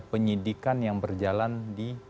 penyidikan yang berjalan di